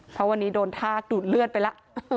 เพราะวันนี้โดนทากดูดเลือดไปแล้ว